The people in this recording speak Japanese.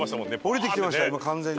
降りてきてました完全に。